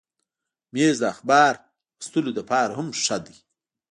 مېز د اخبار لوستلو لپاره هم ښه دی.